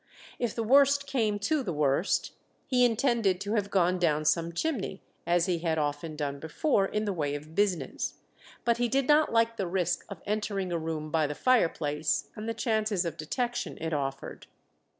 If the worst came to the worst, he intended to have gone down some chimney, as he had often done before in the way of business. But he did not like the risk of entering a room by the fireplace, and the chances of detection it offered.